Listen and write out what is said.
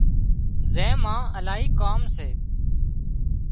زين مان الاهي ڪام سي